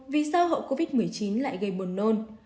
vì sao hậu covid một mươi chín lại gây buồn nôn